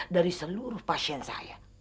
dari seluruh pasien saya